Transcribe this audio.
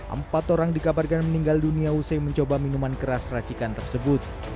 empat orang dikabarkan meninggal dunia usai mencoba minuman keras racikan tersebut